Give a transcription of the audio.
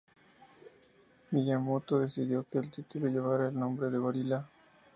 Miyamoto decidió que el título llevara el nombre de "gorila".